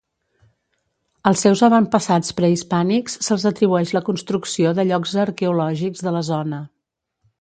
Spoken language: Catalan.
Als seus avantpassats prehispànics se'ls atribueix la construcció de llocs arqueològics de la zona.